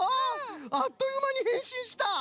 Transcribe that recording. あっというまにへんしんした。